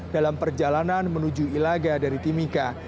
dalam perjalanan menuju ilaga dari timika